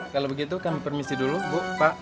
kalau begitu kami permisi dulu bu